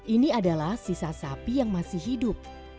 ini adalah sisa sapi yang masih hidup